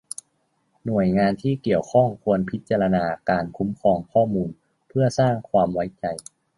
หน่วยงานที่เกี่ยวข้องควรพิจารณาการคุ้มครองข้อมูล เพื่อสร้างความไว้ใจ